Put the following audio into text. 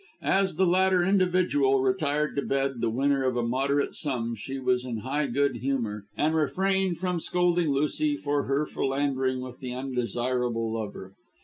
As the latter individual retired to bed the winner of a moderate sum, she was in high good humour, and refrained from scolding Lucy for her philandering with the undesirable lover.